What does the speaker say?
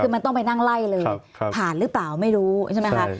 คือมันต้องไปนั่งไล่เลยผ่านหรือเปล่าไม่รู้ใช่ไหมคะ